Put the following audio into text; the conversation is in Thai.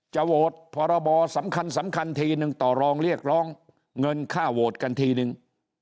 โหวตพรบสำคัญสำคัญทีนึงต่อรองเรียกร้องเงินค่าโหวตกันทีนึง